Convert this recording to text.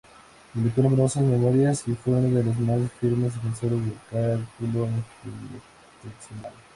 Publicó numerosas memorias y fue uno de los más firmes defensores del cálculo infinitesimal.